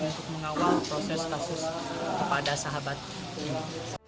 untuk mengawal proses kasus kepada sahabat ini